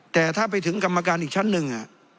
แต่ถ้าไปถึงกรรมการอีกชั้นหนึ่ง